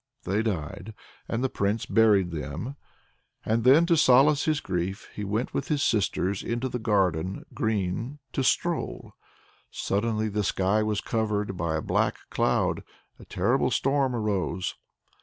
They died and the Prince buried them, and then, to solace his grief, he went with his sisters into the garden green to stroll. Suddenly the sky was covered by a black cloud; a terrible storm arose.